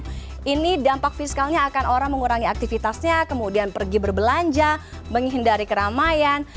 jadi dampak fiskalnya akan orang mengurangi aktivitasnya kemudian pergi berbelanja menghindari keramaian